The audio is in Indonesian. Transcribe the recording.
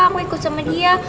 aku ikut sama dia